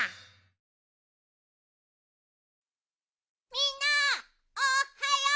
みんなおっはよう！